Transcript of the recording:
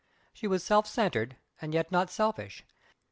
She was self centered and yet not selfish.